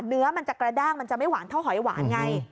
เนื้อมันจะกระด้างมันจะไม่หวานเท่าหอยหวานไง